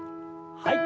はい。